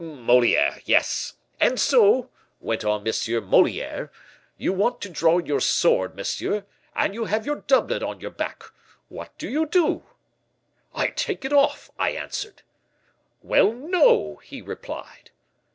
"Moliere, yes. 'And so,' went on M. Moliere, 'you want to draw your sword, monsieur, and you have your doublet on your back. What do you do?' "'I take it off,' I answered. "'Well, no,' he replied.